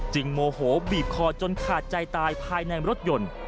โมโหบีบคอจนขาดใจตายภายในรถยนต์